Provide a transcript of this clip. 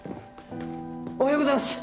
おはようございます。